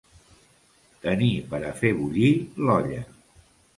Tenir per a fer bullir l'olla.